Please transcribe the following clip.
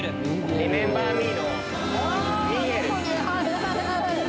『リメンバー・ミー』！